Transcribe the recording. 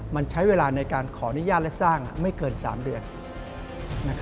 มันใช้เวลาในการขออนุญาตและสร้างไม่เกิน๓เดือน